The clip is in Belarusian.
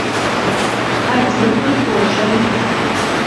Адзін і той жа від.